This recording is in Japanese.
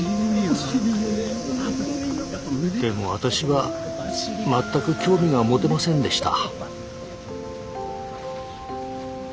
でも私は全く興味が持てませんでした。